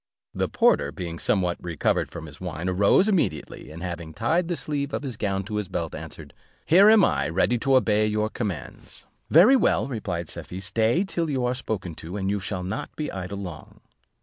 The porter, being somewhat recovered from his wine, arose immediately, and having tied the sleeve of his gown to his belt, answered, "Here am I, ready to obey your commands." "Very well," replied Safie, "stay till you are spoken to; and you shall not be idle long."